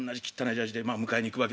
ジャージでまあ迎えに行くわけですよ。